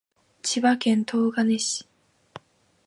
千葉県東金市